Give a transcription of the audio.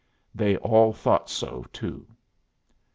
They all thought so too.